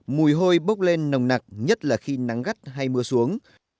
mùi hôi bốc lên nồng nặng nhất là khi nắng gắt hay mưa xuống